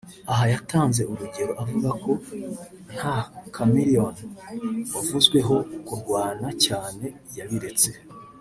Aha yatanze urugero avuga ko nta Chameleone wavuzweho kurwana cyane yabiretse